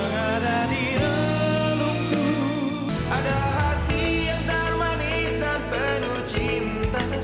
yang ada di relukku ada hati yang darmanis dan penuh cinta